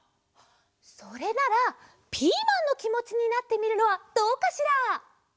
それならピーマンのきもちになってみるのはどうかしら？